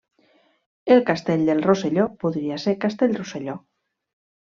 El castell del Rosselló podria ser Castellrosselló.